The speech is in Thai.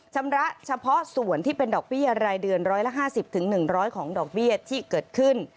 ชำระเฉพาะส่วนที่เป็นดอกเบี้ยรายเดือน๑๕๐๑๐๐ของดอกเบี้ยที่เกิดขึ้น